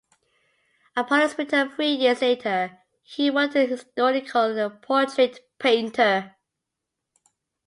Upon his return three years later, he worked as a historical and portrait painter.